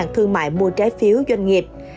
thương mại mua trái phiếu doanh nghiệp